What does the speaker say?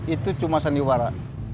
itu cuma sandiwara